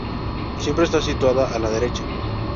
Siempre está situado a la derecha.